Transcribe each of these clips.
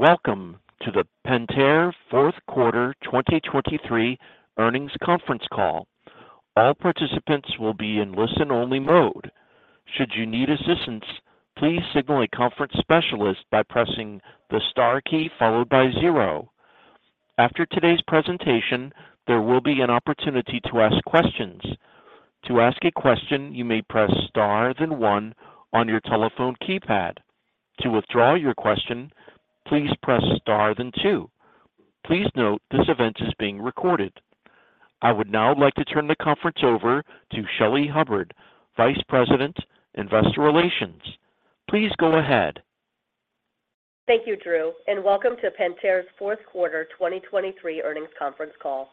Welcome to the Pentair fourth quarter 2023 earnings conference call. All participants will be in listen-only mode. Should you need assistance, please signal a conference specialist by pressing the star key followed by zero. After today's presentation, there will be an opportunity to ask questions. To ask a question, you may press star, then one on your telephone keypad. To withdraw your question, please press star, then two. Please note, this event is being recorded. I would now like to turn the conference over to Shelly Hubbard, Vice President, Investor Relations. Please go ahead. Thank you, Drew, and welcome to Pentair's fourth quarter 2023 earnings conference call.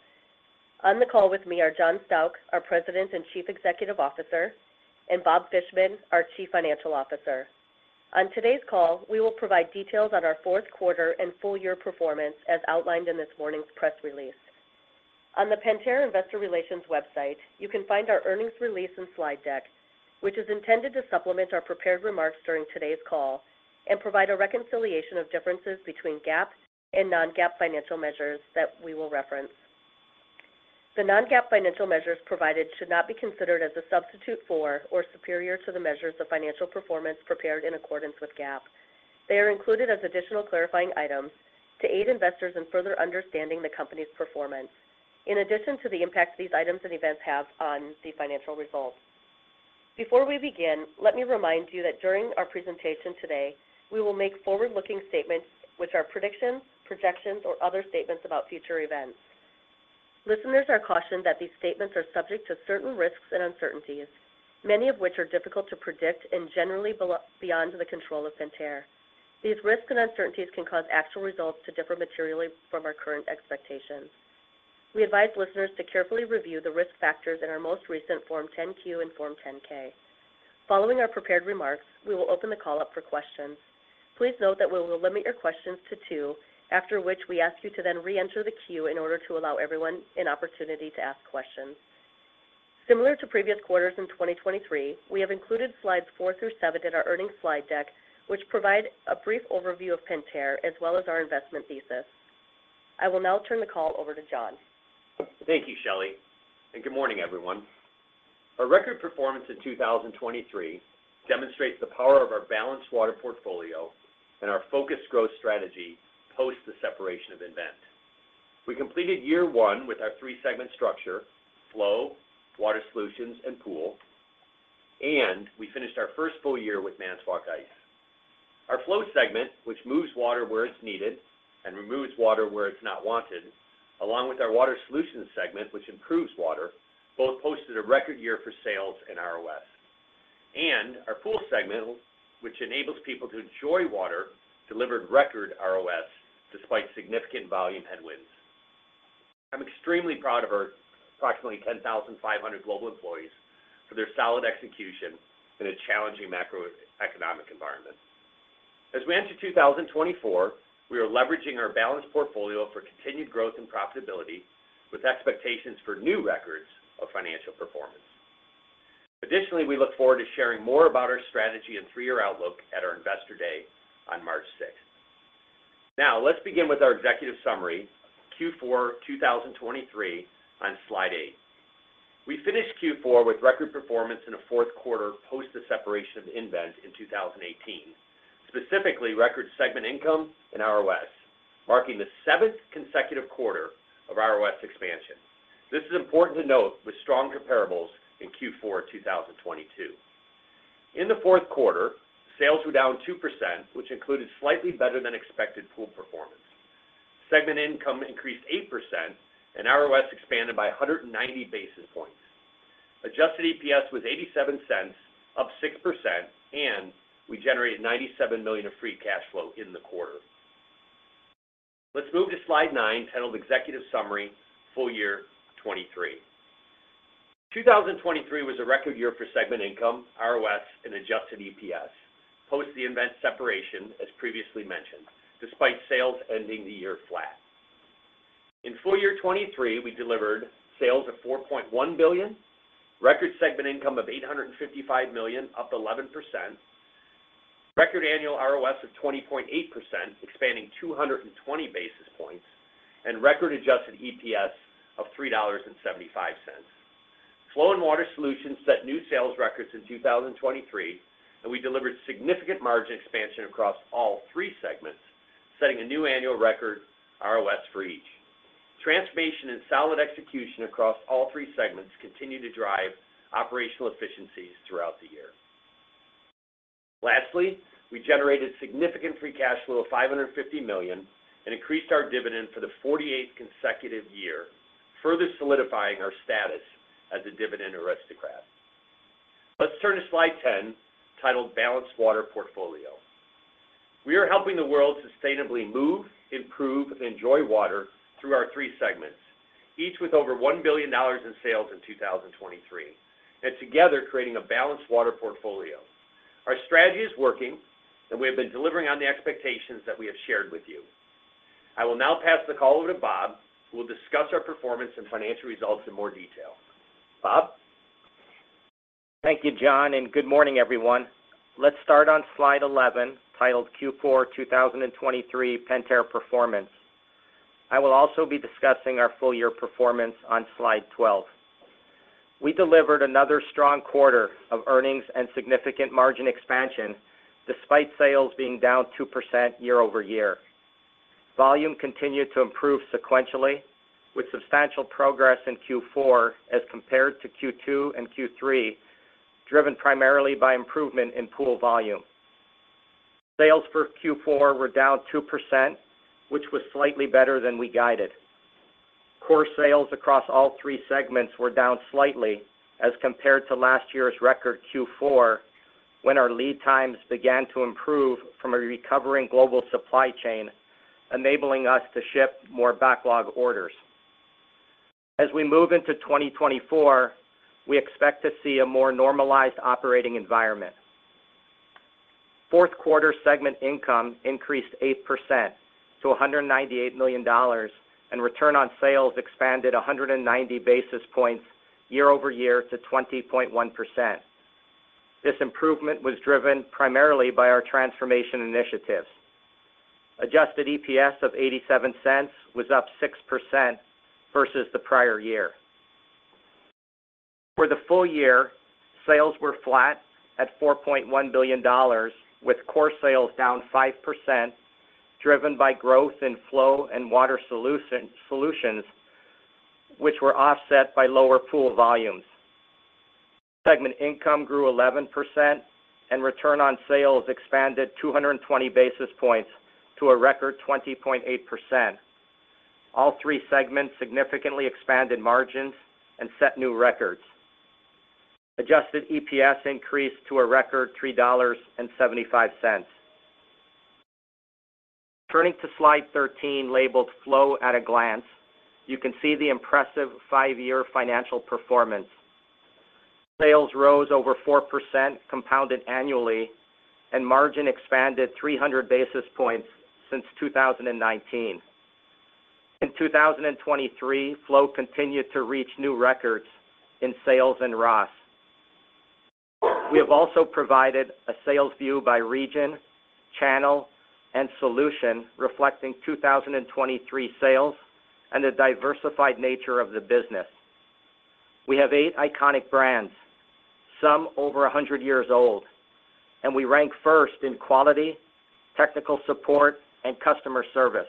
On the call with me are John Stauch, our President and Chief Executive Officer, and Bob Fishman, our Chief Financial Officer. On today's call, we will provide details on our fourth quarter and full year performance as outlined in this morning's press release. On the Pentair Investor Relations website, you can find our earnings release and slide deck, which is intended to supplement our prepared remarks during today's call and provide a reconciliation of differences between GAAP and non-GAAP financial measures that we will reference. The non-GAAP financial measures provided should not be considered as a substitute for or superior to the measures of financial performance prepared in accordance with GAAP. They are included as additional clarifying items to aid investors in further understanding the company's performance, in addition to the impact these items and events have on the financial results. Before we begin, let me remind you that during our presentation today, we will make forward-looking statements which are predictions, projections, or other statements about future events. Listeners are cautioned that these statements are subject to certain risks and uncertainties, many of which are difficult to predict and generally beyond the control of Pentair. These risks and uncertainties can cause actual results to differ materially from our current expectations. We advise listeners to carefully review the risk factors in our most recent Form 10-Q and Form 10-K. Following our prepared remarks, we will open the call up for questions. Please note that we will limit your questions to two, after which we ask you to then reenter the queue in order to allow everyone an opportunity to ask questions. Similar to previous quarters in 2023, we have included slides four through seven in our earnings slide deck, which provide a brief overview of Pentair, as well as our investment thesis. I will now turn the call over to John. Thank you, Shelly, and good morning, everyone. Our record performance in 2023 demonstrates the power of our balanced water portfolio and our focused growth strategy post the separation of nVent. We completed year one with our three-segment structure: Flow, Water Solutions, and Pool, and we finished our first full year with Manitowoc Ice. Our Flow segment, which moves water where it's needed and removes water where it's not wanted, along with our Water Solutions segment, which improves water, both posted a record year for sales and ROS. And our Pool segment, which enables people to enjoy water, delivered record ROS despite significant volume headwinds. I'm extremely proud of our approximately 10,500 global employees for their solid execution in a challenging macroeconomic environment. As we enter 2024, we are leveraging our balanced portfolio for continued growth and profitability, with expectations for new records of financial performance. Additionally, we look forward to sharing more about our strategy and three-year outlook at our Investor Day on March 6. Now, let's begin with our executive summary, Q4 2023 onsSlide eight. We finished Q4 with record performance in a fourth quarter post the separation of nVent in 2018, specifically, record segment income and ROS, marking the 7th consecutive quarter of ROS expansion. This is important to note with strong comparables in Q4 2022. In the fourth quarter, sales were down 2%, which included slightly better than expected pool performance. Segment income increased 8%, and ROS expanded by 190 basis points. Adjusted EPS was $0.87, up 6%, and we generated $97 million of free cash flow in the quarter. Let's move to slide nine, titled Executive Summary, Full Year 2023. 2023 was a record year for segment income, ROS, and adjusted EPS, post the event separation, as previously mentioned, despite sales ending the year flat. In full year 2023, we delivered sales of $4.1 billion, record segment income of $855 million, up 11%, record annual ROS of 20.8%, expanding 220 basis points, and record adjusted EPS of $3.75. Flow and Water Solutions set new sales records in 2023, and we delivered significant margin expansion across all three segments, setting a new annual record ROS for each. Transformation and solid execution across all three segments continued to drive operational efficiencies throughout the year. Lastly, we generated significant Free Cash Flow of $550 million and increased our dividend for the 48th consecutive year, further solidifying our status as a Dividend Aristocrat. Let's turn to slide 10, titled Balanced Water Portfolio. We are helping the world sustainably move, improve, and enjoy water through our three segments, each with over $1 billion in sales in 2023, and together, creating a balanced water portfolio. Our strategy is working, and we have been delivering on the expectations that we have shared with you. I will now pass the call over to Bob, who will discuss our performance and financial results in more detail. Bob? Thank you, John, and good morning, everyone. Let's start on slide 11, titled Q4, 2023 Pentair Performance. I will also be discussing our full year performance on slide 12. We delivered another strong quarter of earnings and significant margin expansion, despite sales being down 2% year-over-year. Volume continued to improve sequentially, with substantial progress in Q4 as compared to Q2 and Q3, driven primarily by improvement in pool volume. Sales for Q4 were down 2%, which was slightly better than we guided. Core sales across all three segments were down slightly as compared to last year's record Q4, when our lead times began to improve from a recovering global supply chain, enabling us to ship more backlog orders. As we move into 2024, we expect to see a more normalized operating environment. Fourth quarter segment income increased 8% to $198 million, and return on sales expanded 190 basis points year-over-year to 20.1%. This improvement was driven primarily by our Transformation Initiatives. Adjusted EPS of $0.87 was up 6% vs the prior year. For the full year, sales were flat at $4.1 billion, with core sales down 5%, driven by growth in Flow and Water Solutions, which were offset by lower pool volumes. Segment income grew 11% and return on sales expanded 220 basis points to a record 20.8%. All three segments significantly expanded margins and set new records. Adjusted EPS increased to a record $3.75. Turning to slide 13, labeled Flow at a Glance, you can see the impressive five year financial performance. Sales rose over 4% compounded annually, and margin expanded 300 basis points since 2019. In 2023, Flow continued to reach new records in sales and ROS. We have also provided a sales view by region, channel, and solution, reflecting 2023 sales and the diversified nature of the business. We have eight iconic brands, some over 100 years old, and we rank first in quality, technical support, and customer service.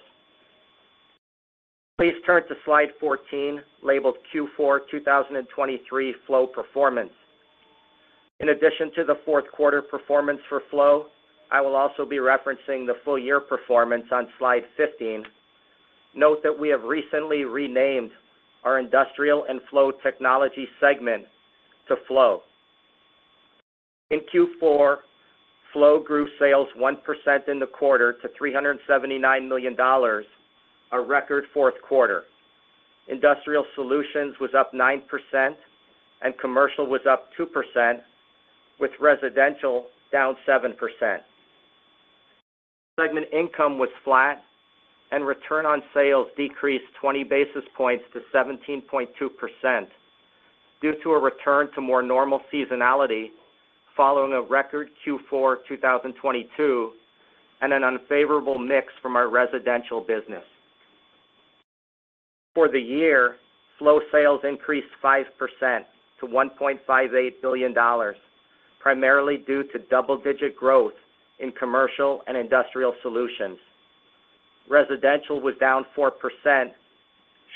Please turn to slide 14, labeled Q4, 2023 Flow Performance. In addition to the fourth quarter performance for Flow, I will also be referencing the full year performance on slide 15. Note that we have recently renamed our Industrial and Flow Technology segment to Flow. In Q4, Flow grew sales 1% in the quarter to $379 million, a record fourth quarter. Industrial solutions was up 9%, and commercial was up 2%, with residential down 7%. Segment income was flat, and return on sales decreased 20 basis points to 17.2% due to a return to more normal seasonality following a record Q4, 2022, and an unfavorable mix from our residential business. For the year, Flow sales increased 5% to $1.58 billion, primarily due to double-digit growth in commercial and industrial solutions. Residential was down 4%,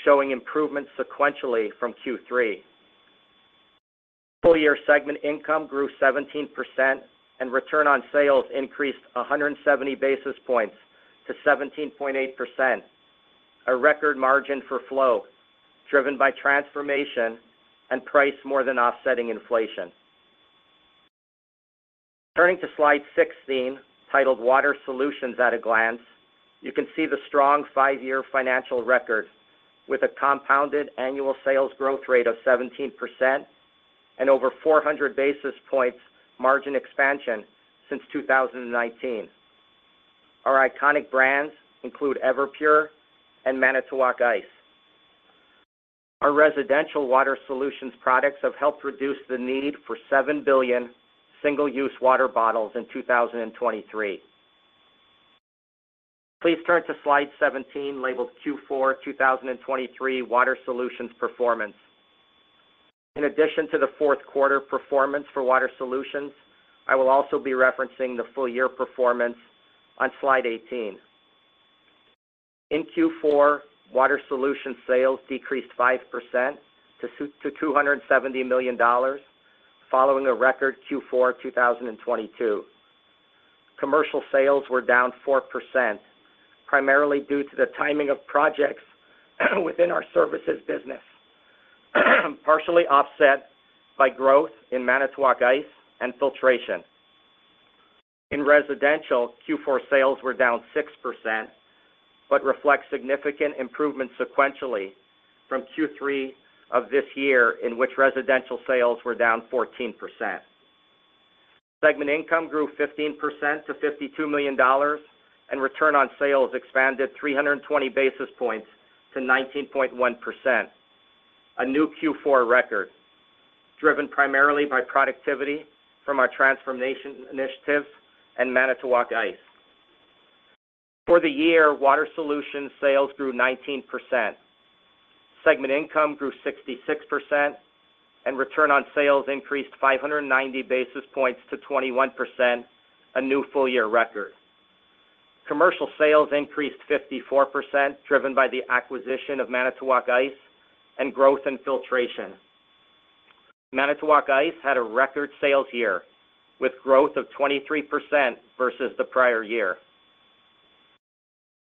showing improvement sequentially from Q3. Full year segment income grew 17%, and return on sales increased 170 basis points to 17.8%, a record margin for Flow, driven by transformation and price more than offsetting inflation. Turning to slide 16, titled Water Solutions at a Glance, you can see the strong five year financial record with a compounded annual sales growth rate of 17% and over 400 basis points margin expansion since 2019. Our iconic brands include Everpure and Manitowoc Ice. Our residential Water Solutions products have helped reduce the need for 7 billion single-use water bottles in 2023. Please turn to slide 17, labeled Q4 2023 Water Solutions Performance. In addition to the fourth quarter performance for Water Solutions, I will also be referencing the full year performance on slide 18. In Q4, Water Solutions sales decreased 5% to $270 million, following a record Q4 2022. Commercial sales were down 4%, primarily due to the timing of projects within our services business, partially offset by growth in Manitowoc Ice and Filtration. In residential, Q4 sales were down 6%, but reflect significant improvement sequentially from Q3 of this year, in which residential sales were down 14%. Segment income grew 15% to $52 million, and return on sales expanded 320 basis points to 19.1%. A new Q4 record, driven primarily by productivity from our transformation initiative and Manitowoc Ice. For the year, Water Solutions sales grew 19%. Segment income grew 66%, and return on sales increased 590 basis points to 21%, a new full-year record. Commercial sales increased 54%, driven by the acquisition of Manitowoc Ice and growth in filtration. Manitowoc Ice had a record sales year, with growth of 23% vs the prior year.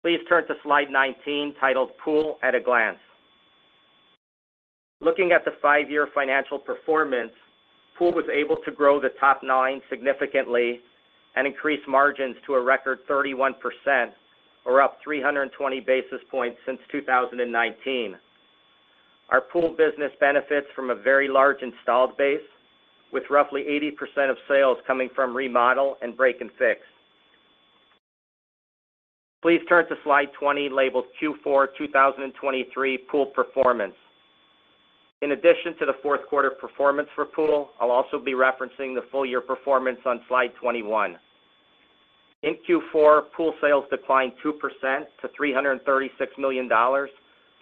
Please turn to slide 19, titled: "Pool at a Glance." Looking at the five year financial performance, Pool was able to grow the top line significantly and increase margins to a record 31%, or up 320 basis points since 2019. Our pool business benefits from a very large installed base, with roughly 80% of sales coming from remodel and break and fix. Please turn to slide 20, labeled Q4, 2023, Pool Performance. In addition to the fourth quarter performance for Pool, I'll also be referencing the full year performance on slide 21. In Q4, pool sales declined 2% to $336 million,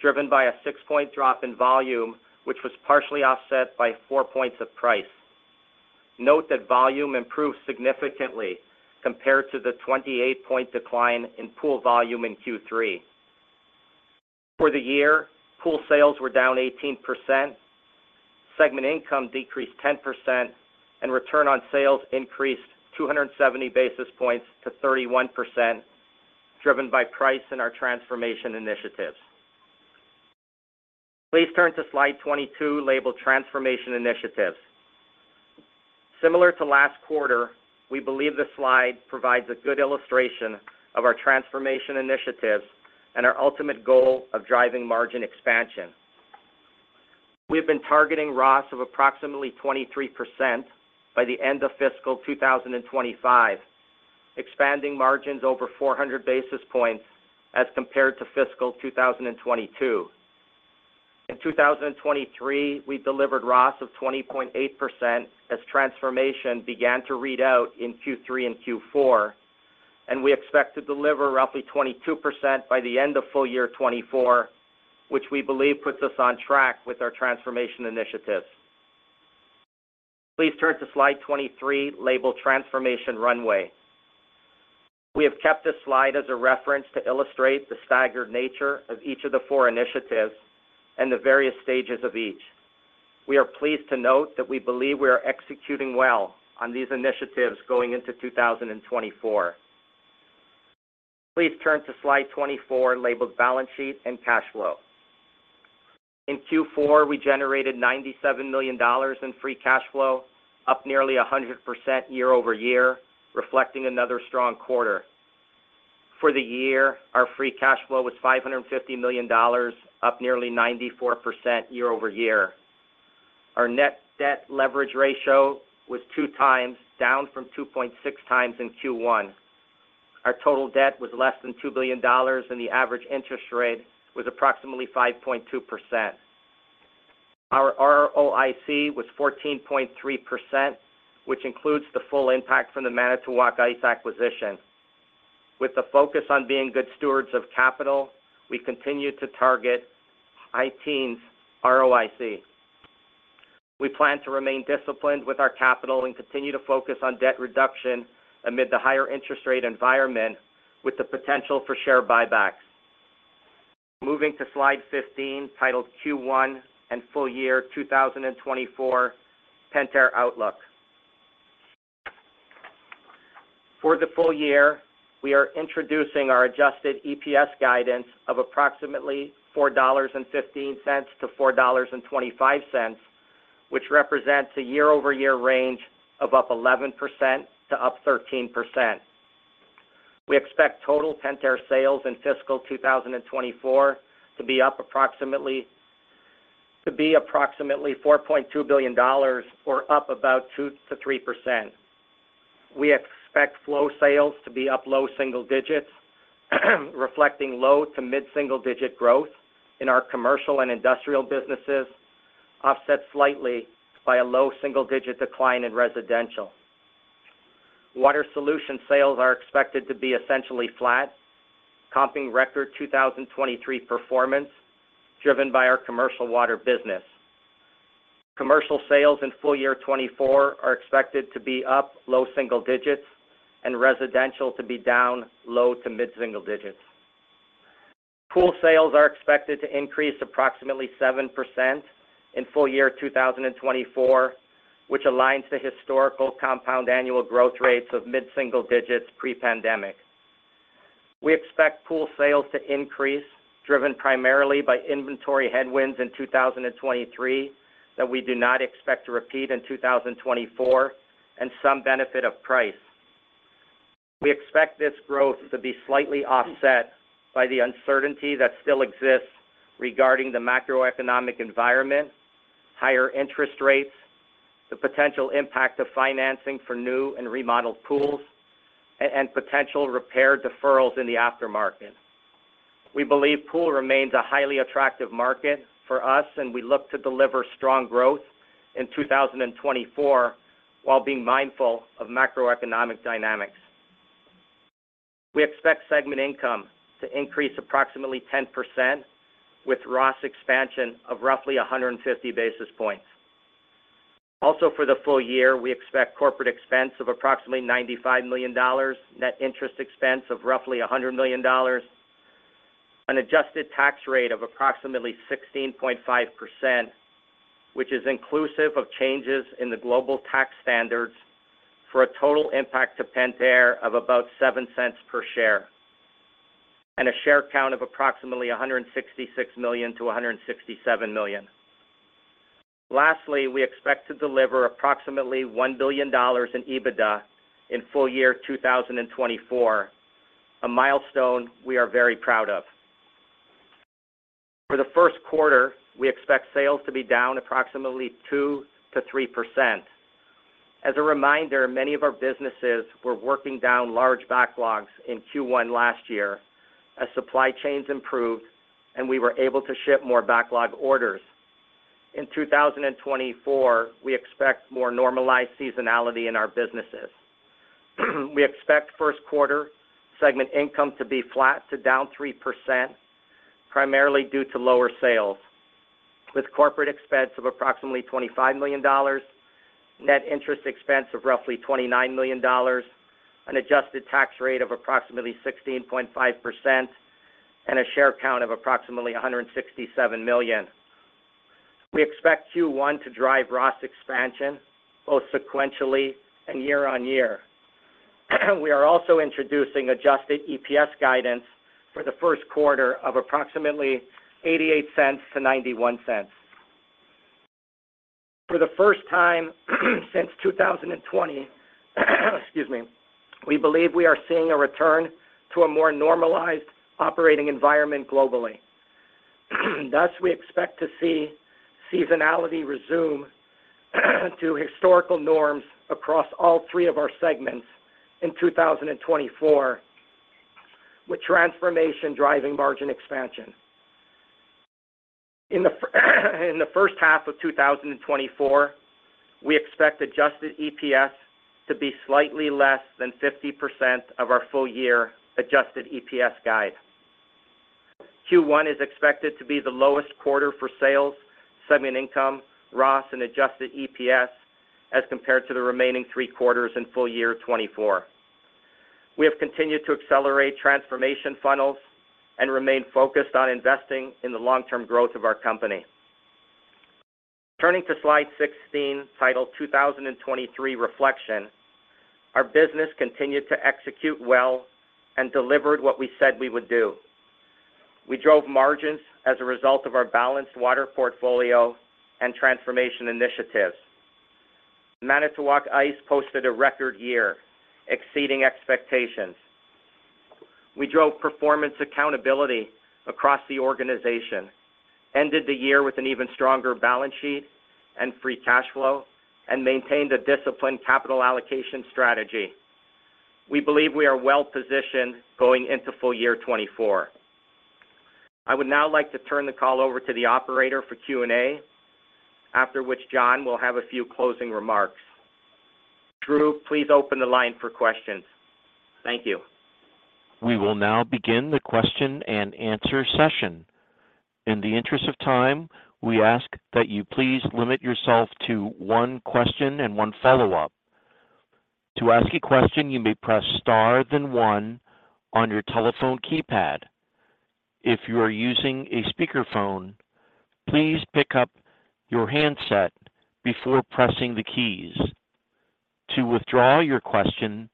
driven by a 6 point drop in volume, which was partially offset by 4 points of price. Note that volume improved significantly compared to the 28 point decline in pool volume in Q3. For the year, pool sales were down 18%, segment income decreased 10%, and return on sales increased 270 basis points to 31%, driven by price and our transformation initiatives. Please turn to slide 22, labeled Transformation Initiatives. Similar to last quarter, we believe this slide provides a good illustration of our transformation initiatives and our ultimate goal of driving margin expansion. We have been targeting ROS of approximately 23% by the end of fiscal 2025, expanding margins over 400 basis points as compared to fiscal 2022. In 2023, we delivered ROS of 20.8% as transformation began to read out in Q3 and Q4, and we expect to deliver roughly 22% by the end of full year 2024, which we believe puts us on track with our transformation initiatives. Please turn to slide 23, labeled Transformation Runway. We have kept this slide as a reference to illustrate the staggered nature of each of the four initiatives and the various stages of each. We are pleased to note that we believe we are executing well on these initiatives going into 2024. Please turn to slide 24, labeled Balance Sheet and Cash Flow. In Q4, we generated $97 million in Free Cash Flow, up nearly 100% year-over-year, reflecting another strong quarter. For the year, our Free Cash Flow was $550 million, up nearly 94% year-over-year. Our Net Debt Leverage Ratio was 2x, down from 2.6x in Q1. Our total debt was less than $2 billion, and the average interest rate was approximately 5.2%. Our ROIC was 14.3%, which includes the full impact from the Manitowoc Ice acquisition. With the focus on being good stewards of capital, we continue to target high teens ROIC. We plan to remain disciplined with our capital and continue to focus on debt reduction amid the higher interest rate environment with the potential for share buybacks. Moving to slide 15, titled Q1 and Full Year 2024 Pentair Outlook. For the full year, we are introducing our adjusted EPS guidance of approximately $4.15-$4.25, which represents a year-over-year range of up 11% to up 13%. We expect total Pentair sales in fiscal 2024 to be up approximately to be approximately $4.2 billion, or up about 2%-3%. We expect Flow sales to be up low single digits, reflecting low- to mid-single-digit growth in our commercial and industrial businesses, offset slightly by a low single-digit decline in residential. Water solution sales are expected to be essentially flat, comping record 2023 performance, driven by our commercial water business. Commercial sales in full year 2024 are expected to be up low single digits and residential to be down low- to mid-single digits. Pool sales are expected to increase approximately 7% in full year 2024, which aligns the historical compound annual growth rates of mid-single digits pre-pandemic. We expect pool sales to increase, driven primarily by inventory headwinds in 2023, that we do not expect to repeat in 2024, and some benefit of price. We expect this growth to be slightly offset by the uncertainty that still exists regarding the macroeconomic environment, higher interest rates, the potential impact of financing for new and remodeled pools, and potential repair deferrals in the aftermarket. We believe pool remains a highly attractive market for us, and we look to deliver strong growth in 2024, while being mindful of macroeconomic dynamics. We expect segment income to increase approximately 10%, with ROS expansion of roughly 150 basis points. Also, for the full year, we expect corporate expense of approximately $95 million, net interest expense of roughly $100 million, an adjusted tax rate of approximately 16.5%, which is inclusive of changes in the global tax standards for a total impact to Pentair of about $0.07 per share, and a share count of approximately 166 million-167 million. Lastly, we expect to deliver approximately $1 billion in EBITDA in full year 2024, a milestone we are very proud of. For the first quarter, we expect sales to be down approximately 2%-3%. As a reminder, many of our businesses were working down large backlogs in Q1 last year as supply chains improved and we were able to ship more backlog orders. In 2024, we expect more normalized seasonality in our businesses. We expect first quarter segment income to be flat to down 3%, primarily due to lower sales, with corporate expense of approximately $25 million, net interest expense of roughly $29 million, an adjusted tax rate of approximately 16.5%, and a share count of approximately 167 million. We expect Q1 to drive ROS expansion, both sequentially and year-on-year. We are also introducing adjusted EPS guidance for the first quarter of approximately $0.88-$0.91. For the first time since 2020, excuse me, we believe we are seeing a return to a more normalized operating environment globally. Thus, we expect to see seasonality resume to historical norms across all three of our segments in 2024, with transformation driving margin expansion. In the first half of 2024, we expect adjusted EPS to be slightly less than 50% of our full-year adjusted EPS guide. Q1 is expected to be the lowest quarter for sales, segment income, ROS, and adjusted EPS as compared to the remaining three quarters in full-year 2024. We have continued to accelerate transformation funnels and remain focused on investing in the long-term growth of our company. Turning to slide 16, titled 2023 Reflection, our business continued to execute well and delivered what we said we would do. We drove margins as a result of our balanced water portfolio and transformation initiatives. Manitowoc Ice posted a record year, exceeding expectations. We drove performance accountability across the organization, ended the year with an even stronger balance sheet and free cash flow, and maintained a disciplined capital allocation strategy. We believe we are well positioned going into full year 2024. I would now like to turn the call over to the operator for Q&A, after which John will have a few closing remarks. Drew, please open the line for questions. Thank you. We will now begin the question and answer session. In the interest of time, we ask that you please limit yourself to one question and one follow-up. To ask a question, you may press star, then one on your telephone keypad. If you are using a speakerphone, please pick up your handset before pressing the keys. To withdraw your question,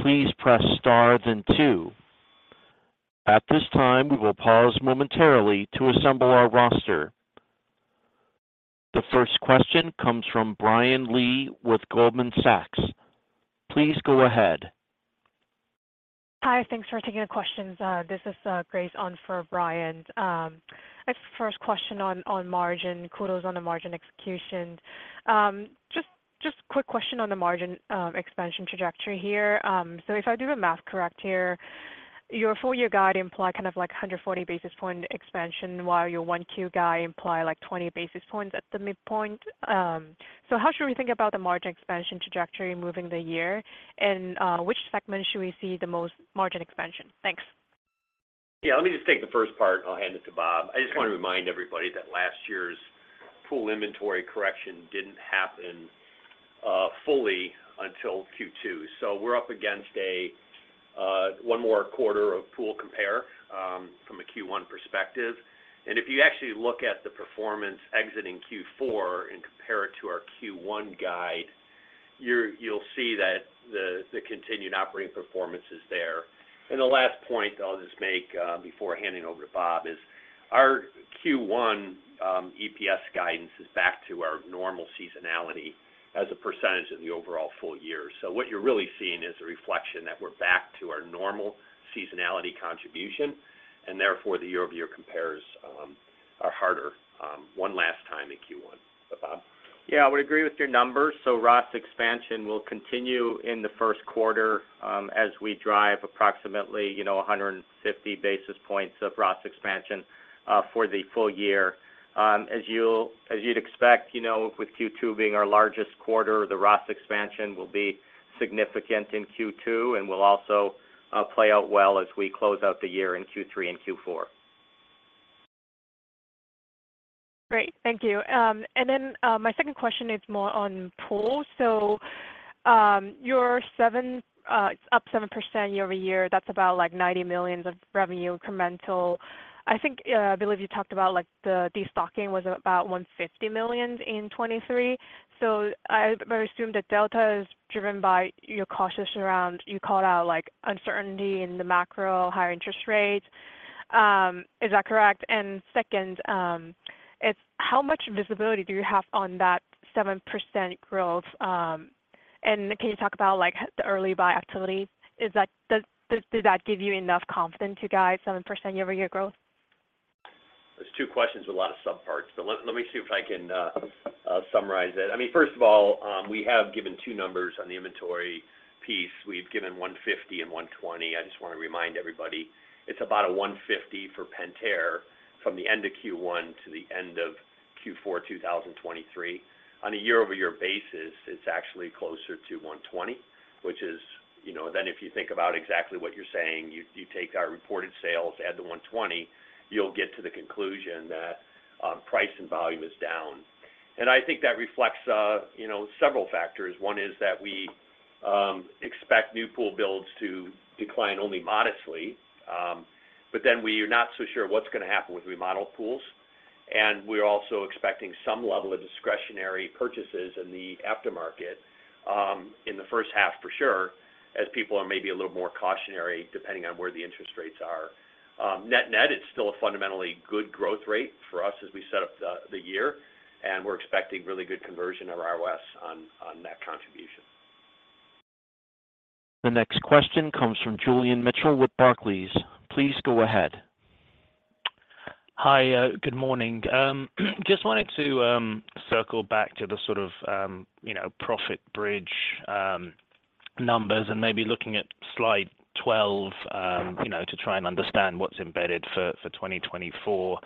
please press star, then two. At this time, we will pause momentarily to assemble our roster. The first question comes from Brian Lee with Goldman Sachs. Please go ahead. Hi, thanks for taking the questions. This is Grace on for Brian. I just first question on margin, kudos on the margin execution. Just quick question on the margin expansion trajectory here. So if I do the math correct here, your full year guide imply kind of like 140 basis point expansion, while your Q1 guide imply like 20 basis points at the midpoint. So how should we think about the margin expansion trajectory through the year? And which segment should we see the most margin expansion? Thanks. Yeah, let me just take the first part, and I'll hand it to Bob. I just want to remind everybody that last year's pool inventory correction didn't happen fully until Q2. So we're up against a one more quarter of pool compare from a Q1 perspective. And if you actually look at the performance exiting Q4 and compare it to our Q1 guide, you'll see that the continued operating performance is there. And the last point I'll just make, before handing over to Bob, is our Q1 EPS guidance is back to our normal seasonality as a percentage of the overall full year. So what you're really seeing is a reflection that we're back to our normal seasonality contribution, and therefore, the year-over-year compares are harder, one last time in Q1. So, Bob? Yeah, I would agree with your numbers. So ROS expansion will continue in the first quarter as we drive approximately, you know, 150 basis points of ROS expansion for the full year. As you'd expect, you know, with Q2 being our largest quarter, the ROS expansion will be significant in Q2 and will also play out well as we close out the year in Q3 and Q4. Great, thank you. And then, my second question is more on pool. So, your 7, up 7% year-over-year, that's about, like, $90 million of revenue incremental. I think, I believe you talked about, like, the destocking was about $150 million in 2023. So I assume that delta is driven by your cautious around. You called out, like, uncertainty in the macro, higher interest rates. Is that correct? And second, is how much visibility do you have on that 7% growth, and can you talk about, like, the early buy activity? Is that. Does that give you enough confidence to guide 7% year-over-year growth? There's two questions with a lot of subparts, but let me see if I can summarize it. I mean, first of all, we have given two numbers on the inventory piece. We've given $150 and $120. I just want to remind everybody, it's about a $150 for Pentair from the end of Q1 to the end of Q4, 2023. On a year-over-year basis, it's actually closer to $120, which is, you know. Then if you think about exactly what you're saying, you take our reported sales, add the $120, you'll get to the conclusion that, price and volume is down. And I think that reflects, you know, several factors. One is that we expect new pool builds to decline only modestly, but then we are not so sure what's going to happen with remodel pools, and we're also expecting some level of discretionary purchases in the aftermarket, in the first half for sure, as people are maybe a little more cautionary, depending on where the interest rates are. Net-net, it's still a fundamentally good growth rate for us as we set up the year, and we're expecting really good conversion of ROS on net contribution. The next question comes from Julian Mitchell with Barclays. Please go ahead. Hi, good morning. Just wanted to circle back to the sort of, you know, profit bridge numbers and maybe looking at slide 12, you know, to try and understand what's embedded for, for 2024.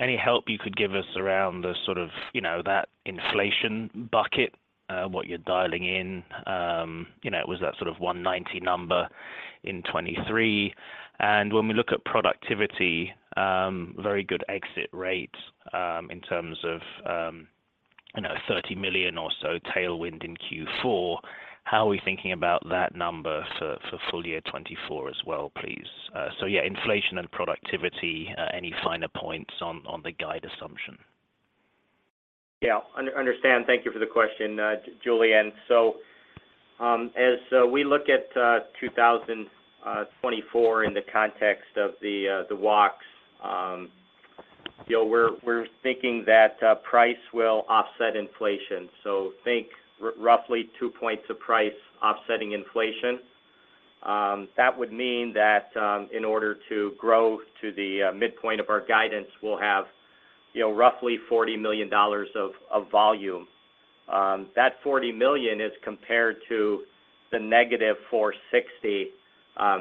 Any help you could give us around the sort of, you know, that inflation bucket, what you're dialing in? You know, it was that sort of $190 number in 2023. And when we look at productivity, very good exit rate, in terms of, you know, $30 million or so tailwind in Q4. How are we thinking about that number for, for full year 2024 as well, please? So yeah, inflation and productivity, any finer points on, on the guide assumption? Yeah, understand. Thank you for the question, Julian. So, as we look at 2024 in the context of the walks, you know, we're thinking that price will offset inflation. So think roughly 2 points of price offsetting inflation. That would mean that, in order to grow to the midpoint of our guidance, we'll have, you know, roughly $40 million of volume. That $40 million is compared to the negative $460 million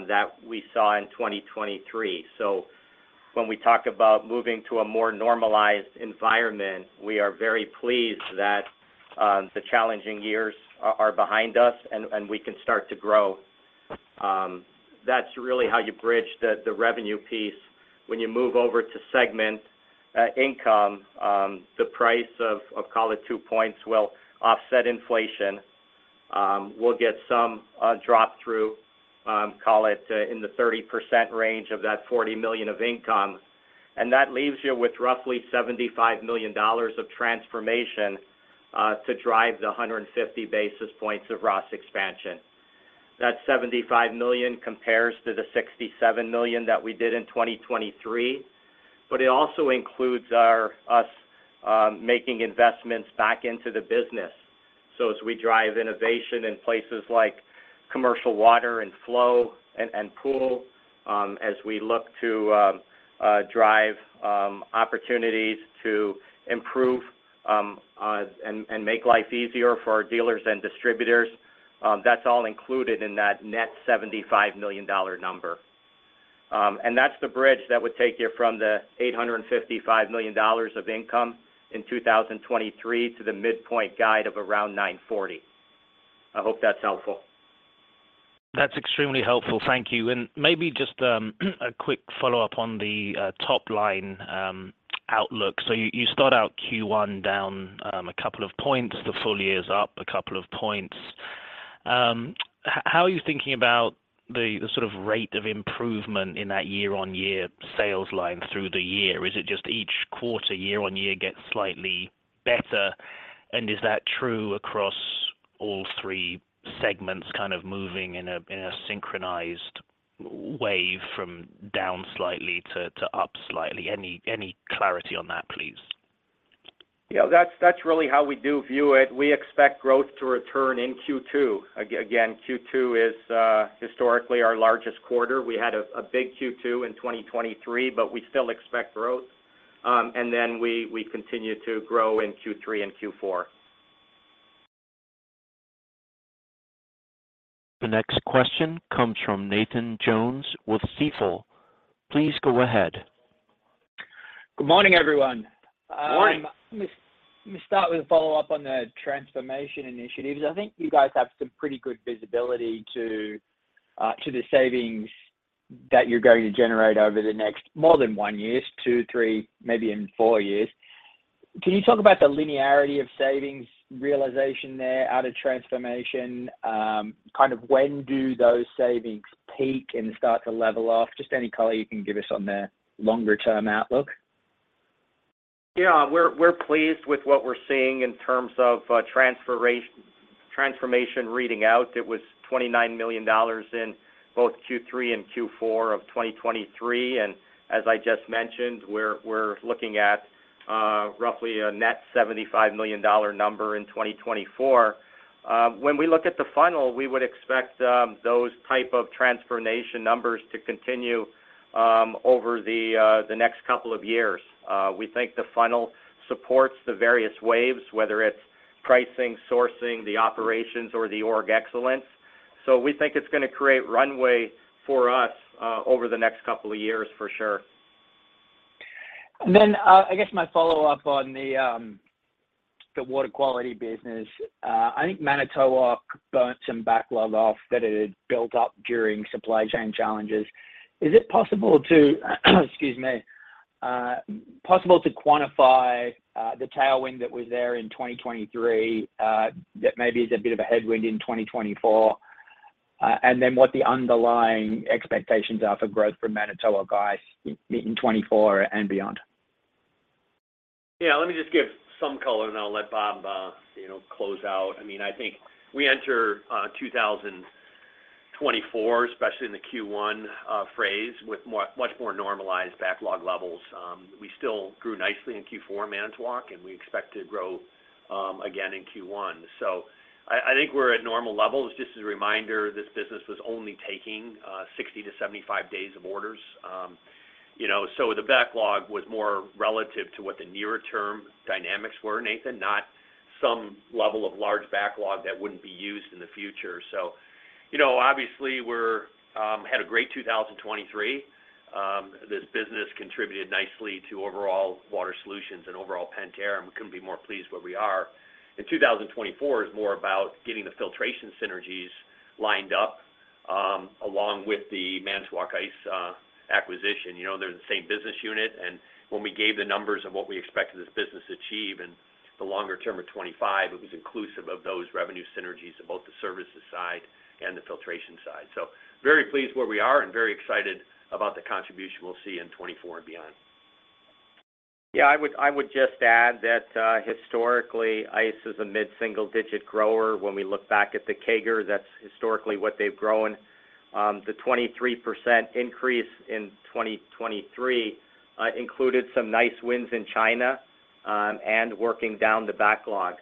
that we saw in 2023. So when we talk about moving to a more normalized environment, we are very pleased that the challenging years are behind us and we can start to grow. That's really how you bridge the revenue piece. When you move over to segment income, the price of call it two points will offset inflation. We'll get some drop through, call it in the 30% range of that $40 million of income, and that leaves you with roughly $75 million of transformation to drive the 150 basis points of ROS expansion. That $75 million compares to the $67 million that we did in 2023, but it also includes our us making investments back into the business. So as we drive innovation in places like commercial water and flow and pool, as we look to drive opportunities to improve and make life easier for our dealers and distributors, that's all included in that net $75 million dollar number. And that's the bridge that would take you from the $855 million of income in 2023 to the midpoint guide of around $940. I hope that's helpful. That's extremely helpful. Thank you. Maybe just a quick follow-up on the top line outlook. So you start out Q1 down a couple of points. The full year is up a couple of points. How are you thinking about the sort of rate of improvement in that year-on-year sales line through the year? Is it just each quarter, year-on-year gets slightly better? And is that true across all three segments, kind of moving in a synchronized wave from down slightly to up slightly? Any clarity on that, please? Yeah, that's really how we do view it. We expect growth to return in Q2. Again, Q2 is historically our largest quarter. We had a big Q2 in 2023, but we still expect growth. And then we continue to grow in Q3 and Q4. The next question comes from Nathan Jones with Stifel. Please go ahead. Good morning, everyone. Morning. Let me start with a follow-up on the Transformation Initiatives. I think you guys have some pretty good visibility to the savings that you're going to generate over the next more than one years, two, three, maybe even four years. Can you talk about the linearity of savings realization there out of transformation? Kind of when do those savings peak and start to level off? Just any color you can give us on the longer-term outlook. Yeah, we're pleased with what we're seeing in terms of transformation reading out. It was $29 million in both Q3 and Q4 of 2023, and as I just mentioned, we're looking at roughly a net $75 million number in 2024. When we look at the funnel, we would expect those type of transformation numbers to continue over the next couple of years. We think the funnel supports the various waves, whether it's pricing, sourcing, the operations, or the org excellence. So we think it's gonna create runway for us over the next couple of years, for sure. And then, I guess my follow-up on the water quality business. I think Manitowoc burnt some backlog off that it had built up during supply chain challenges. Is it possible to, excuse me, possible to quantify the tailwind that was there in 2023, that maybe is a bit of a headwind in 2024? And then what the underlying expectations are for growth for Manitowoc Ice in 2024 and beyond. Yeah, let me just give some color, and I'll let Bob, you know, close out. I mean, I think we enter 2024, especially in the Q1 phase, with much more normalized backlog levels. We still grew nicely in Q4 Manitowoc, and we expect to grow again in Q1. So I think we're at normal levels. Just as a reminder, this business was only taking 60-75 days of orders. You know, so the backlog was more relative to what the nearer term dynamics were, Nathan, not some level of large backlog that wouldn't be used in the future. So, you know, obviously, we're had a great 2023. This business contributed nicely to overall Water Solutions and overall Pentair, and we couldn't be more pleased where we are. In 2024 is more about getting the filtration synergies lined up, along with the Manitowoc Ice acquisition. You know, they're the same business unit, and when we gave the numbers of what we expected this business to achieve in the longer term of 25, it was inclusive of those revenue synergies of both the services side and the filtration side. So very pleased where we are and very excited about the contribution we'll see in 2024 and beyond. Yeah, I would, I would just add that, historically, Ice is a mid-single-digit grower. When we look back at the CAGR, that's historically what they've grown. The 23% increase in 2023 included some nice wins in China, and working down the backlog.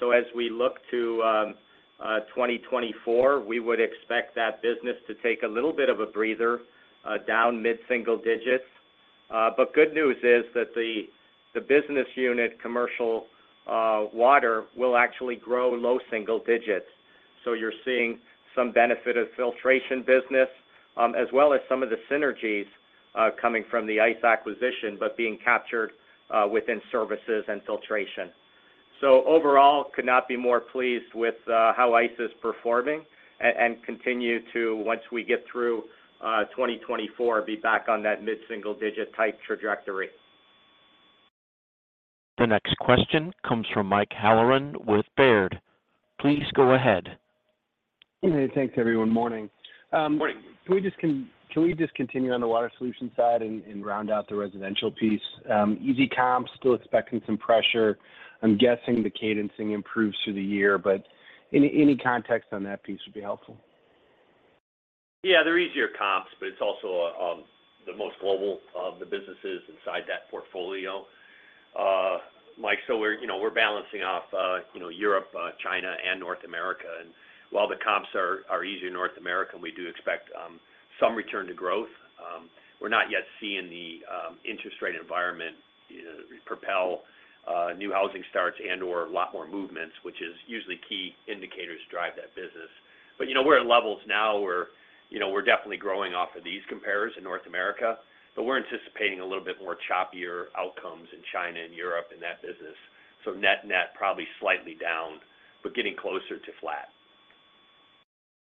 So as we look to 2024, we would expect that business to take a little bit of a breather, down mid-single digits. But good news is that the business unit commercial water will actually grow low single digits. So you're seeing some benefit of filtration business, as well as some of the synergies, coming from the Ice acquisition, but being captured, within services and filtration. So overall, could not be more pleased with how Ice is performing and continue to, once we get through 2024, be back on that mid-single digit type trajectory. The next question comes from Mike Halloran with Baird. Please go ahead. Hey, thanks, everyone. Morning. Morning. Can we just continue on the water solution side and, and round out the residential piece? Easy comps, still expecting some pressure. I'm guessing the cadencing improves through the year, but any, any context on that piece would be helpful. Yeah, they're easier comps, but it's also the most global of the businesses inside that portfolio. Mike, so we're, you know, we're balancing off, you know, Europe, China, and North America. And while the comps are easier in North America, and we do expect some return to growth, we're not yet seeing the interest rate environment propel new housing starts and/or a lot more movements, which is usually key indicators drive that business. But, you know, we're at levels now where, you know, we're definitely growing off of these compares in North America, but we're anticipating a little bit more choppier outcomes in China and Europe in that business. So net-net, probably slightly down, but getting closer to flat.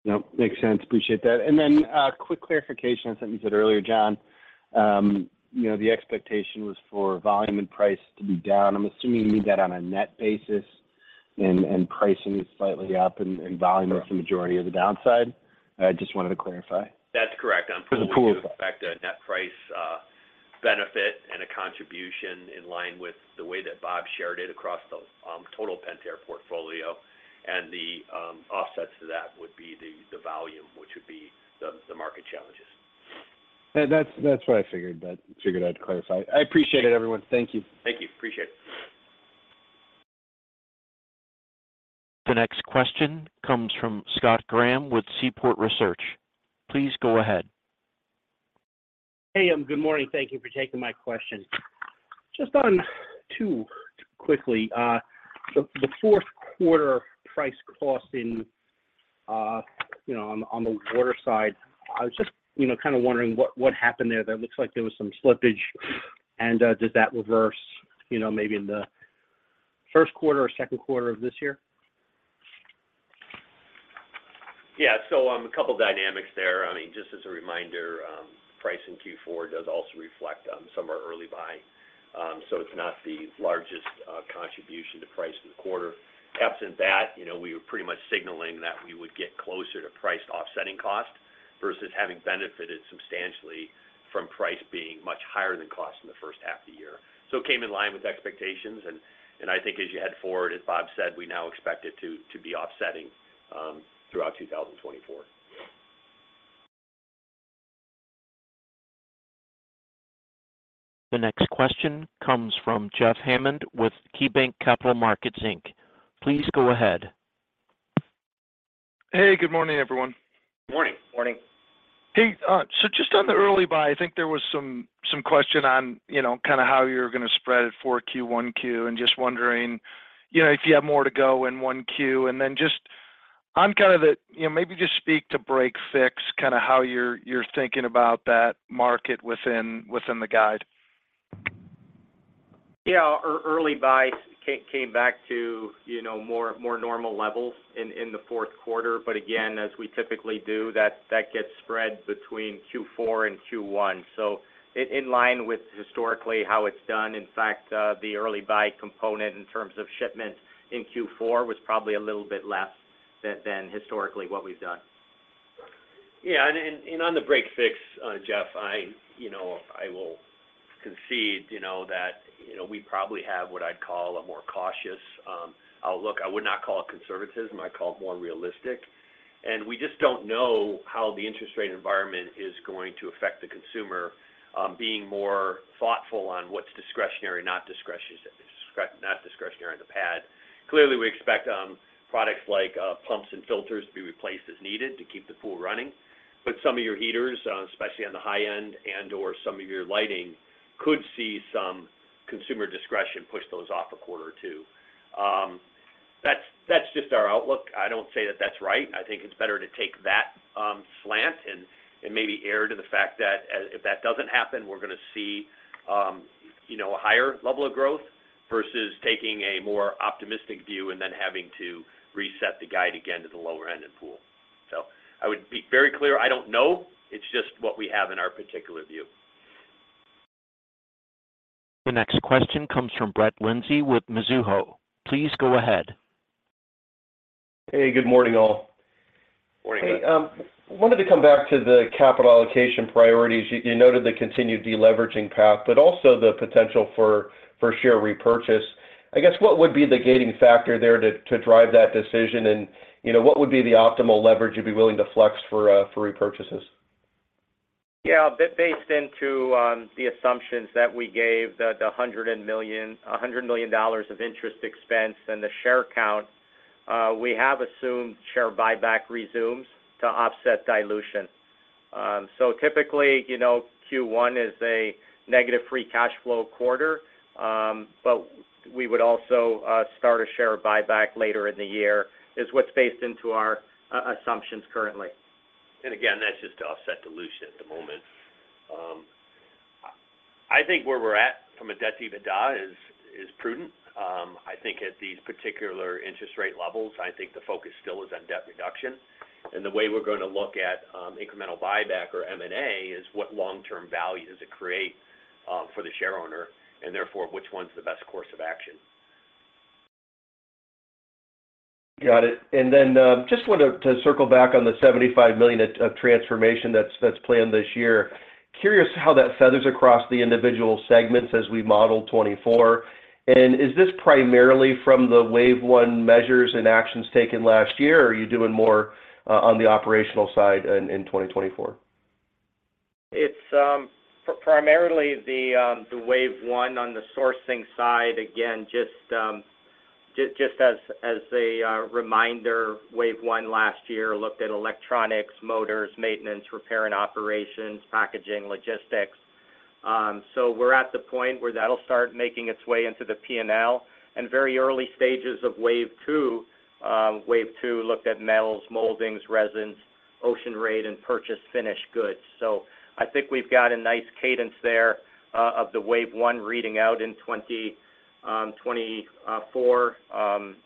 Yep, makes sense. Appreciate that. And then, quick clarification on something you said earlier, John. You know, the expectation was for volume and price to be down. I'm assuming you mean that on a net basis and pricing is slightly up and volume. Correct .Is the majority of the downside? I just wanted to clarify. That's correct. For the pool. I'm planning to expect a net price benefit and a contribution in line with the way that Bob shared it across the total Pentair portfolio, and the offsets to that would be the volume, which would be the market challenges. That's, that's what I figured, but figured I'd clarify. I appreciate it, everyone. Thank you. Thank you. Appreciate it. The next question comes from Scott Graham with Seaport Research. Please go ahead. Hey, good morning. Thank you for taking my question. Just on two quickly, the fourth quarter price cost in, you know, on the water side, I was just, you know, kind of wondering what happened there. That looks like there was some slippage, and does that reverse, you know, maybe in the first quarter or second quarter of this year? Yeah. So, a couple dynamics there. I mean, just as a reminder, price in Q4 does also reflect on some of our early buy, so it's not the largest contribution to price in the quarter. Absent that, you know, we were pretty much signaling that we would get closer to price offsetting cost vs having benefited substantially from price being much higher than cost in the first half of the year. So it came in line with expectations, and, and I think as you head forward, as Bob said, we now expect it to, to be offsetting, throughout 2024. The next question comes from Jeff Hammond with KeyBanc Capital Markets. Please go ahead. Hey, good morning, everyone. Morning. Morning. Hey, so just on the early buy, I think there was some question on, you know, kind of how you're going to spread it for Q1-Q2, and just wondering, you know, if you have more to go in 1Q. Then just on kind of the. You know, maybe just speak to break fix, kind of how you're thinking about that market within the guide. Yeah, early buys came back to, you know, more normal levels in the fourth quarter. But again, as we typically do, that gets spread between Q4 and Q1, so in line with historically how it's done. In fact, the early buy component in terms of shipments in Q4 was probably a little bit less than historically what we've done. Yeah, on the break fix, Jeff, I will concede, you know, that we probably have what I'd call a more cautious outlook. I would not call it conservatism. I'd call it more realistic. We just don't know how the interest rate environment is going to affect the consumer being more thoughtful on what's discretionary, not discretionary on the pad. Clearly, we expect products like pumps and filters to be replaced as needed to keep the pool running. But some of your heaters, especially on the high end, and/or some of your lighting, could see some consumer discretion push those off a quarter or two. That's just our outlook. I don't say that that's right. I think it's better to take that slant and maybe err to the fact that if that doesn't happen, we're gonna see, you know, a higher level of growth vs taking a more optimistic view and then having to reset the guide again to the lower end in pool. So I would be very clear, I don't know. It's just what we have in our particular view. The next question comes from Brett Linzey with Mizuho. Please go ahead. Hey, good morning, all. Morning. Hey, wanted to come back to the capital allocation priorities. You noted the continued deleveraging path, but also the potential for share repurchase. I guess, what would be the gating factor there to drive that decision? And, you know, what would be the optimal leverage you'd be willing to flex for repurchases? Yeah, based into the assumptions that we gave, the $100 million of interest expense and the share count, we have assumed share buyback resumes to offset dilution. So typically, you know, Q1 is a negative free cash flow quarter, but we would also start a share buyback later in the year, is what's based into our assumptions currently. And again, that's just to offset dilution at the moment. I think where we're at from a debt EBITDA is prudent. I think at these particular interest rate levels, I think the focus still is on debt reduction. And the way we're gonna look at incremental buyback or M&A is what long-term value does it create for the shareowner, and therefore, which one's the best course of action? Got it. And then, just wanted to circle back on the $75 million of, of transformation that's, that's planned this year. Curious how that factors across the individual segments as we model 2024. And is this primarily from the wave one measures and actions taken last year, or are you doing more, on the operational side in, in 2024? It's primarily the wave one on the sourcing side. Again, just as a reminder, wave one last year looked at electronics, motors, maintenance, repair and operations, packaging, logistics. So we're at the point where that'll start making its way into the P&L. And very early stages of wave two, wave two looked at metals, moldings, resins, ocean rate, and purchase finished goods. So I think we've got a nice cadence there, of the wave one reading out in 2024,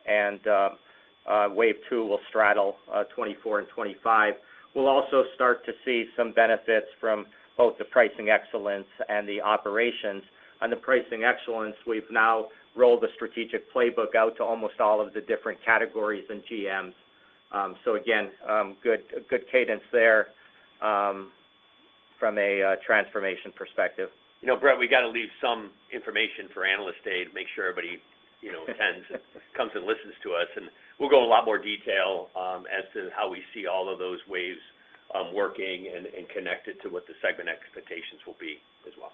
and wave two will straddle 2024 and 2025. We'll also start to see some benefits from both the pricing excellence and the operations. On the pricing excellence, we've now rolled the strategic playbook out to almost all of the different categories and GMs. .So again, good, a good cadence there, from a transformation perspective. You know, Brett, we got to leave some information for Analyst Day to make sure everybody, you know, attends and comes and listens to us. We'll go a lot more detail, as to how we see all of those waves, working and connected to what the segment expectations will be as well.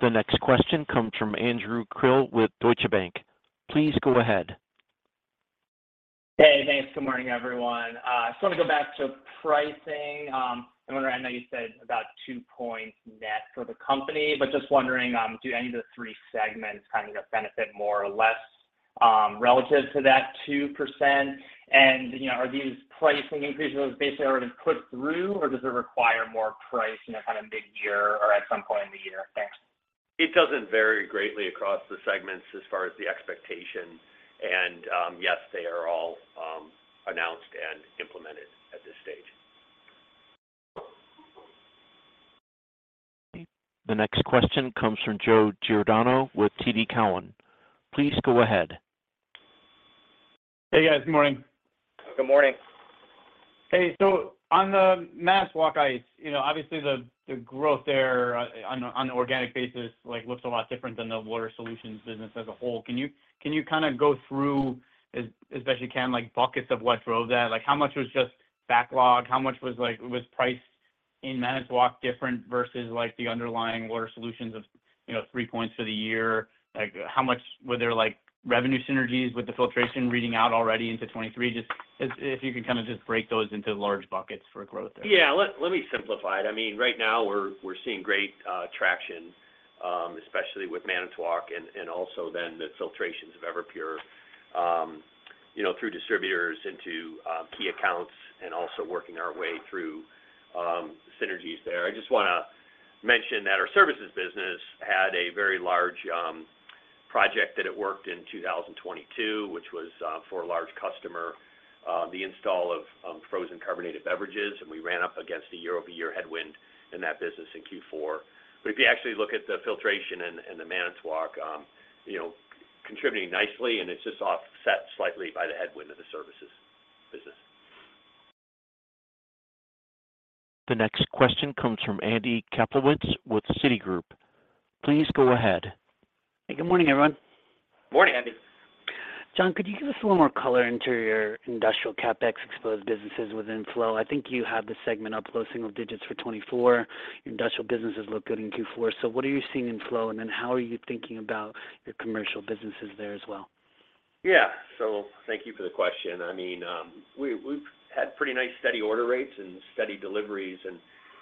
The next question comes from Andrew Krill with Deutsche Bank. Please go ahead. Hey, thanks. Good morning, everyone. I just want to go back to pricing. I wonder, I know you said about 2 points net for the company, but just wondering, do any of the 3 segments kind of benefit more or less, relative to that 2%? And, you know, are these pricing increases basically already put through, or does it require more price in a kind of midyear or at some point in the year? Thanks. It doesn't vary greatly across the segments as far as the expectation. Yes, they are all announced and implemented at this stage. The next question comes from Joe Giordano with TD Cowen. Please go ahead. Hey, guys. Good morning. Good morning. Hey, so on the Manitowoc Ice, you know, obviously, the growth there on an organic basis, like, looks a lot different than the Water Solutions business as a whole. Can you kind of go through, as best you can, like, buckets of what drove that? Like, how much was just backlog? How much was like, was price in Manitowoc different vs, like, the underlying Water Solutions of, you know, three points for the year? Like, how much were there, like, revenue synergies with the filtration reading out already into 2023? Just if you could kind of just break those into large buckets for growth there. Yeah, let me simplify it. I mean, right now, we're seeing great traction, especially with Manitowoc and also then the filtrations of Everpure, you know, through distributors into key accounts and also working our way through synergies there. I just want to mention that our services business had a very large project that it worked in 2022, which was for a large customer, the install of frozen carbonated beverages, and we ran up against a year-over-year headwind in that business in Q4. But if you actually look at the filtration and the Manitowoc, you know, contributing nicely, and it's just offset slightly by the headwind of the services business. The next question comes from Andy Kaplowitz with Citigroup. Please go ahead. Hey, good morning, everyone. Morning, Andy. John, could you give us a little more color into your industrial CapEx exposed businesses within Flow? I think you have the segment up low single digits for 2024. Industrial businesses look good in Q4. So what are you seeing in Flow, and then how are you thinking about your commercial businesses there as well? Yeah. So thank you for the question. I mean, we've had pretty nice steady order rates and steady deliveries. And,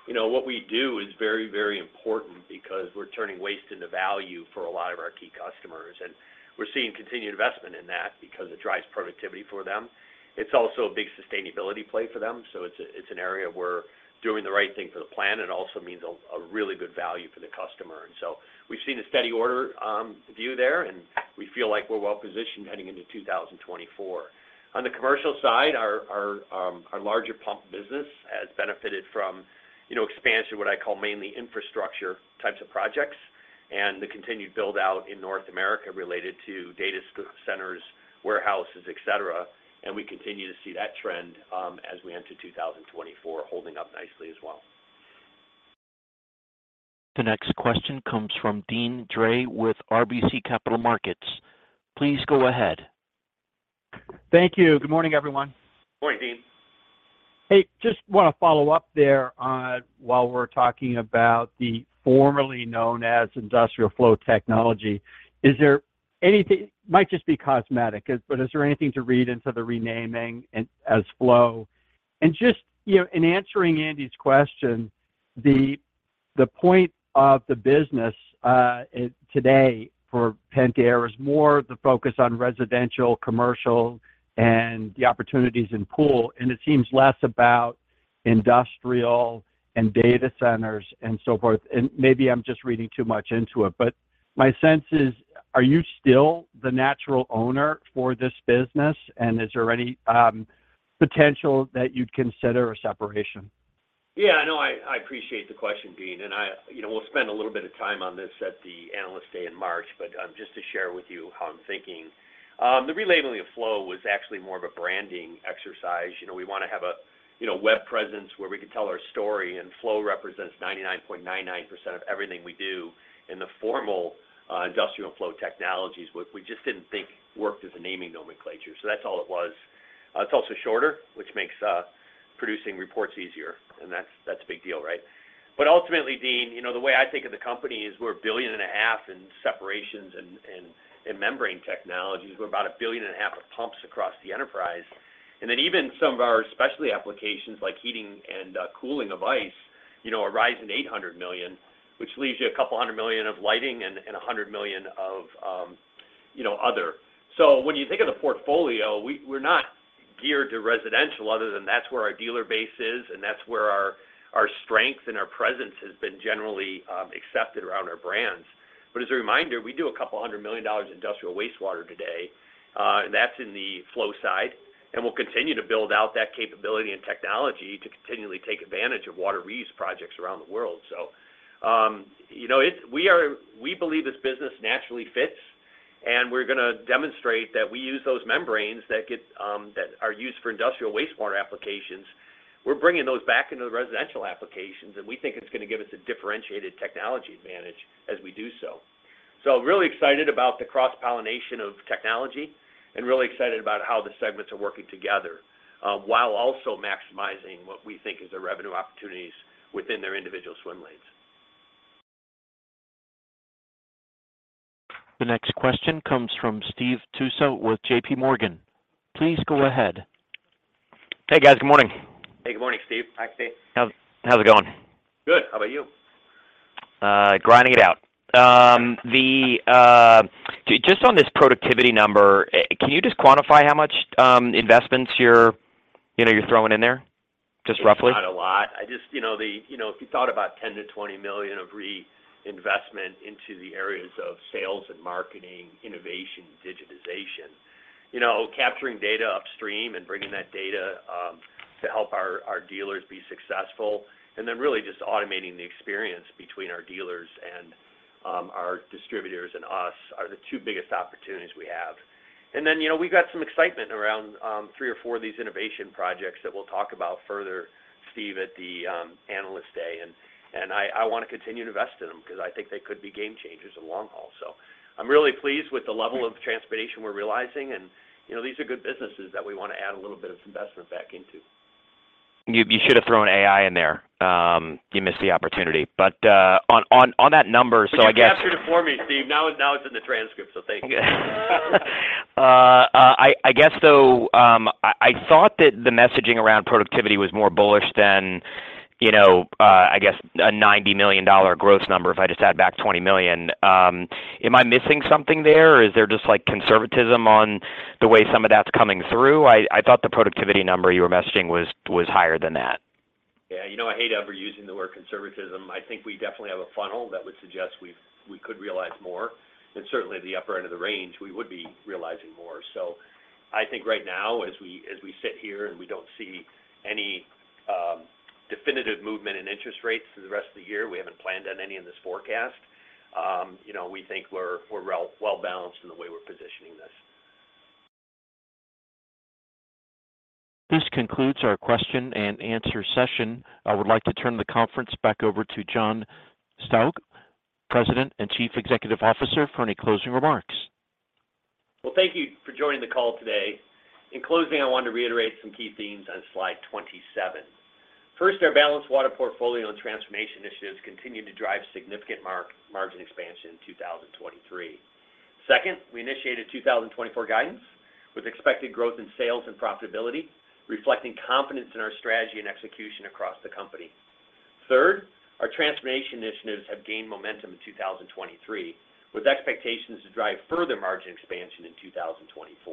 you know, what we do is very, very important because we're turning waste into value for a lot of our key customers, and we're seeing continued investment in that because it drives productivity for them. It's also a big sustainability play for them, so it's, it's an area where doing the right thing for the planet, and also means a really good value for the customer. And so we've seen a steady order view there, and we feel like we're well positioned heading into 2024. On the commercial side, our larger pump business has benefited from, you know, expansion of what I call mainly infrastructure types of projects and the continued build-out in North America related to data centers, warehouses, et cetera. We continue to see that trend as we enter 2024, holding up nicely as well. The next question comes from Deane Dray with RBC Capital Markets. Please go ahead. Thank you. Good morning, everyone. Morning, Deane. Hey, just want to follow up there on, while we're talking about the formerly known as Industrial Flow Technology. Is there anything - might just be cosmetic, but is there anything to read into the renaming as, as Flow? And just, you know, in answering Andy's question, the, the point of the business today for Pentair is more the focus on residential, commercial, and the opportunities in pool, and it seems less about industrial and data centers and so forth. And maybe I'm just reading too much into it, but my sense is: Are you still the natural owner for this business, and is there any potential that you'd consider a separation? Yeah, no, I, I appreciate the question, Deane, and I, you know, we'll spend a little bit of time on this at the Analyst Day in March, but just to share with you how I'm thinking. The relabeling of Flow was actually more of a branding exercise. You know, we want to have a, you know, web presence where we can tell our story, and Flow represents 99.99% of everything we do in the formal, Industrial Flow Technologies, which we just didn't think worked as a naming nomenclature. So that's all it was. It's also shorter, which makes producing reports easier, and that's, that's a big deal, right? But ultimately, Deane, you know, the way I think of the company is we're $1.5 billion in separations and, and, and membrane technologies. We're about $1.5 billion of pumps across the enterprise. And then even some of our specialty applications, like heating and cooling of ice, you know, arise in $800 million, which leaves you a couple $100 million of lighting and a $100 million of, you know, other. So when you think of the portfolio, we're not geared to residential other than that's where our dealer base is, and that's where our strength and our presence has been generally accepted around our brands. But as a reminder, we do a couple of hundred million dollars industrial wastewater today, and that's in the Flow side, and we'll continue to build out that capability and technology to continually take advantage of water reuse projects around the world. So. You know, we believe this business naturally fits, and we're going to demonstrate that we use those membranes that are used for industrial wastewater applications. We're bringing those back into the residential applications, and we think it's going to give us a differentiated technology advantage as we do so. So really excited about the cross-pollination of technology and really excited about how the segments are working together, while also maximizing what we think is the revenue opportunities within their individual swim lanes. The next question comes from Steve Tusa with JP Morgan. Please go ahead. Hey, guys. Good morning. Hey, good morning, Steve. Hi, Steve. How's it going? Good. How about you? Grinding it out. Just on this productivity number, can you just quantify how much investments you're, you know, you're throwing in there, just roughly? It's not a lot. I just, you know, you know, if you thought about $10 million-$20 million of reinvestment into the areas of sales and marketing, innovation, digitization. You know, capturing data upstream and bringing that data to help our dealers be successful, and then really just automating the experience between our dealers and our distributors and us are the two biggest opportunities we have. And then, you know, we've got some excitement around three or four of these innovation projects that we'll talk about further, Steve, at the Analyst Day, and I want to continue to invest in them because I think they could be game changers in the long haul. So I'm really pleased with the level of transformation we're realizing. You know, these are good businesses that we want to add a little bit of investment back into. You should have thrown AI in there. You missed the opportunity, but on that number, so I guess. But you captured it for me, Steve. Now it's in the transcript, so thank you. I guess, though, I thought that the messaging around productivity was more bullish than, you know, I guess a $90 million gross number if I just add back $20 million. Am I missing something there, or is there just, like, conservatism on the way some of that's coming through? I thought the productivity number you were messaging was higher than that. Yeah. You know, I hate ever using the word conservatism. I think we definitely have a funnel that would suggest we could realize more, and certainly the upper end of the range, we would be realizing more. So I think right now, as we sit here, and we don't see any definitive movement in interest rates for the rest of the year, we haven't planned on any in this forecast. You know, we think we're well-balanced in the way we're positioning this. This concludes our question and answer session. I would like to turn the conference back over to John Stauch, President and Chief Executive Officer, for any closing remarks. Well, thank you for joining the call today. In closing, I wanted to reiterate some key themes on slide 27. First, our balanced water portfolio and transformation initiatives continue to drive significant margin expansion in 2023. Second, we initiated 2024 guidance with expected growth in sales and profitability, reflecting confidence in our strategy and execution across the company. Third, our transformation initiatives have gained momentum in 2023, with expectations to drive further margin expansion in 2024.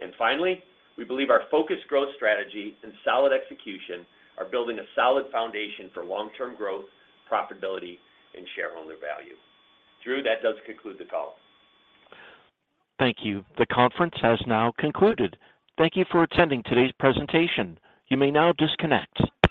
And finally, we believe our focused growth strategy and solid execution are building a solid foundation for long-term growth, profitability, and shareholder value. Drew, that does conclude the call. Thank you. The conference has now concluded. Thank you for attending today's presentation. You may now disconnect.